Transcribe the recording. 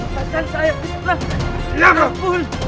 tidak bisa kabur